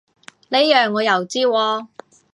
呢樣我又知喎